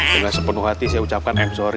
dengan sepenuh hati saya ucapkan sorry